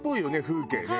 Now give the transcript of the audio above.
風景ね